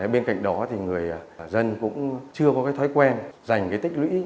bên cạnh đó thì người dân cũng chưa có cái thói quen dành cái tích lũy